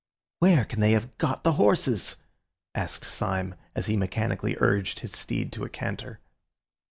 "Where can they have got the horses?" asked Syme, as he mechanically urged his steed to a canter.